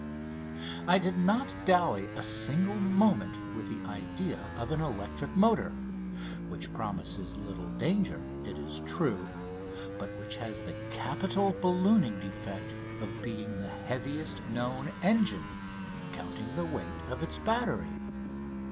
I did not dally a single moment with the idea of an electric motor, which promises little danger, it is true, but which has the capital ballooning defect of being the heaviest known engine, counting the weight of its battery.